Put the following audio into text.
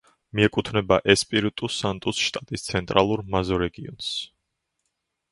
მიეკუთვნება ესპირიტუ-სანტუს შტატის ცენტრალურ მეზორეგიონს.